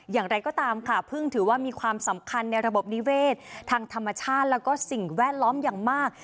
อย่างไรก็ตามค่ะพึ่งถือว่ามีความสำคัญในระบบนิเวศทางธรรมชาติแล้วก็สิ่งแวดล้อมอย่างมาก